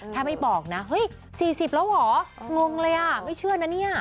ถ้าไม่บอกนะเฮ้ย๔๐แล้วเหรองงเลยอ่ะไม่เชื่อนะเนี่ย